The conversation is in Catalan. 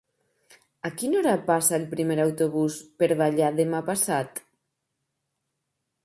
A quina hora passa el primer autobús per Vallat demà passat?